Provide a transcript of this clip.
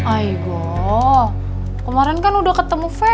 aigoo kemarin kan udah ketemu vero